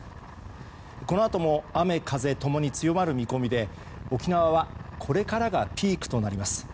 このあとも雨、風ともに強まる見込みで沖縄はこれからがピークとなります。